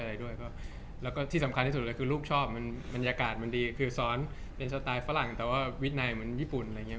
แล้วก็แล้วก็ที่สำคัญที่สุดเลยคือลูกชอบมันบรรยากาศมันดีคือซ้อนเป็นสไตล์ฝรั่งแต่ว่าวินัยเหมือนญี่ปุ่นอะไรอย่างเง